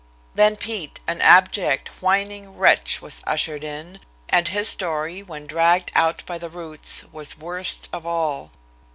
Then Pete, an abject, whining wretch, was ushered in, and his story, when dragged out by the roots, was worst of all.